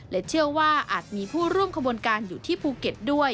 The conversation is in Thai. เชื่อว่าอาจมีผู้ร่วมขบวนการอยู่ที่ภูเก็ตด้วย